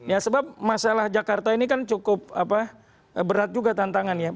ya sebab masalah jakarta ini kan cukup berat juga tantangannya